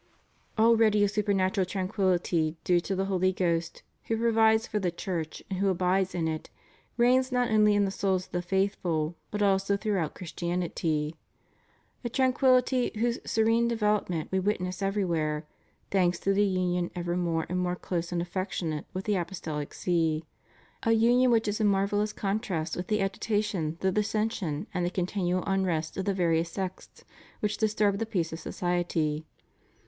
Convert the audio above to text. Al ready a supernatural tranquillity due to the Holy Ghost, who provides for the Church and who abides in it, reigns not only in the souls of the faithful but also throughout Christianity; a tranquillity whose serene development we witness everywhere, thanks to the union ever more and more close and affectionate with the Apostolic vSee; a union which is in marvellous contrast with the agitation, the dissension, and the continual unrest of the various sects which disturb the peace of society.